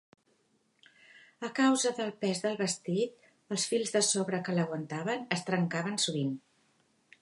A causa del pes del vestit, els fils de sobre que l'aguantaven es trencaven sovint.